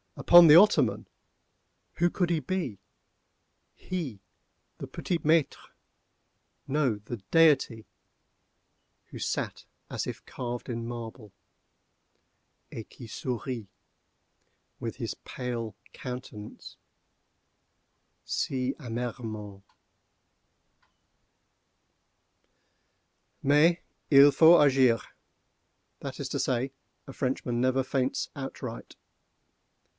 —upon the ottoman!—who could he be?—he, the petitmaître—no, the Deity—who sat as if carved in marble, et qui sourit, with his pale countenance, si amèrement? Mais il faut agir—that is to say, a Frenchman never faints outright.